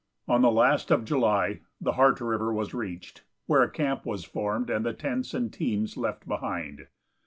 On the last of July the Heart river was reached, where a camp was formed, and the tents and teams left behind.